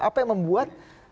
apa yang membuat